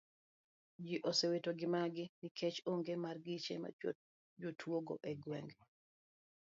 Ji osewito ngimagi nikech onge mar geche jotuo go e gwenge.